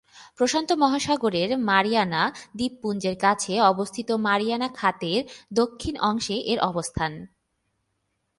প্রশান্ত মহাসাগরের মারিয়ানা দ্বীপপুঞ্জের কাছে অবস্থিত মারিয়ানা খাতের দক্ষিণ অংশে এর অবস্থান।